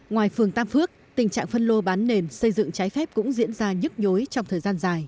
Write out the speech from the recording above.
ngoài phường tam phước tình trạng phân lô bán nền xây dựng trái phép cũng diễn ra nhức nhối trong thời gian dài